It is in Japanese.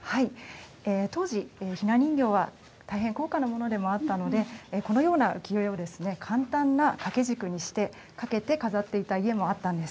当時、ひな人形は大変高価なものでもあったのでこのような浮世絵を簡単な掛け軸にして掛けて飾っていた家もあったんです。